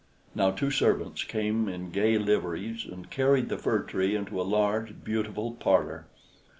Now two servants came in gay liveries, and carried the Fir Tree into a large, beautiful parlor.